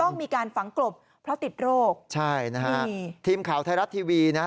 ต้องมีการฝังกลบเพราะติดโรคใช่นะฮะนี่ทีมข่าวไทยรัฐทีวีนะฮะ